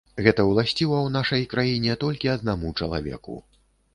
Гэта ўласціва ў нашай краіне толькі аднаму чалавеку.